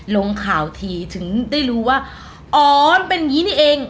ลงข่าวทีถึงได้รู้ว่าอ๋อเป็นอย่างนี้นี่เอง